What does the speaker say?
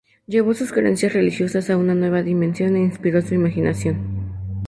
Llevó sus creencias religiosas a una nueva dimensión e inspiró su imaginación.